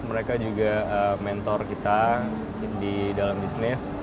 mereka juga mentor kita di dalam bisnis